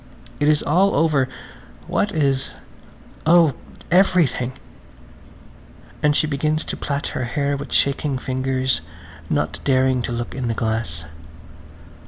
It is all over! What is? Oh, everything! And she begins to plait her hair with shaking fingers, not daring to look in the glass.